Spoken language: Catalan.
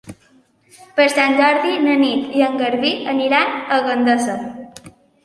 Per Sant Jordi na Nit i en Garbí aniran a Gandesa.